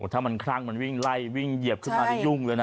ถ้ามันคลั่งมันวิ่งไล่วิ่งเหยียบขึ้นมานี่ยุ่งเลยนะ